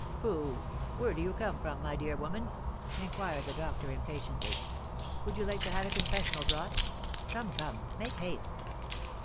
"Pooh! Where do you come from, my dear woman?" inquired the doctor, impatiently; "would you like to have a confessional brought? Come, come, make haste!"